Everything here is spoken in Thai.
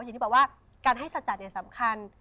อย่างที่บอกว่าการให้สัจจัดเนี่ยสำคัญ